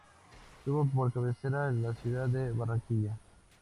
Tuvo por cabecera a la ciudad de Barranquilla.